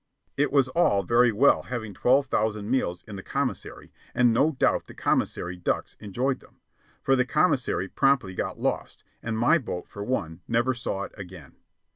It was all very well having twelve thousand meals in the commissary, and no doubt the commissary "ducks" enjoyed them; for the commissary promptly got lost, and my boat, for one, never saw it again.